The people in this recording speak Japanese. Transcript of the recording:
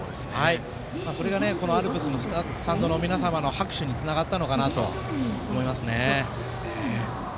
それがこのアルプスのスタンドの皆さんのつながったのかなと思いますね。